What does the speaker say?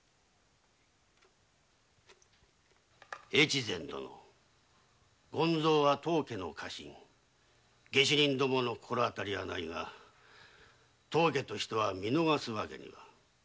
大岡殿権造は当家の家臣下手人どもの心当たりはないが当家としては見逃すわけには。